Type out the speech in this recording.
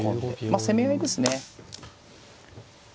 まあ攻め合いですね。